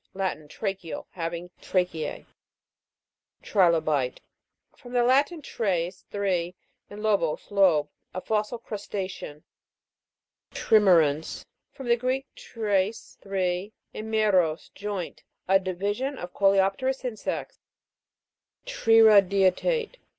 Latin. Tracheal ; having tracheae. TRI'LOBITE. From the Latin, Ires, three, and lobus, lobe. A fossil crusta'cean. TRIME'RANS. From the Greek, treis, three, and meros, joint. A division of coleopterous insects. TRIRA'DIATE.